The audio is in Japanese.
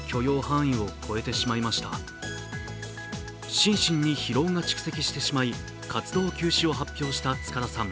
心身に疲労が蓄積してしまい、活動休止を発表した塚田さん。